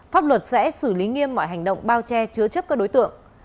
pháp luật sẽ xử lý nghiêm mọi hành động bao che chứa chấp các đối tượng